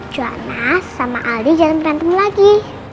jonas sama aldi jangan bertemu lagi